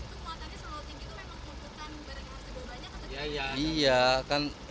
itu muatannya selalu tinggi itu memang keputusan berarti berapa banyak